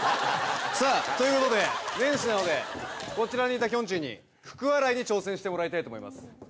さぁということで年始なのでこちらにいたきょんちぃに福笑いに挑戦してもらいたいと思います。